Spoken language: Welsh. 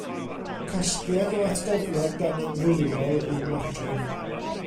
Casgliad o atgofion gan Amrywiol yw Modryb.